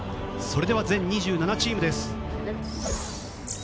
それでは全２７チームです。